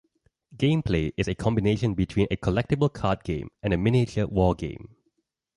Game play is a combination between a collectible card game and a miniature wargame.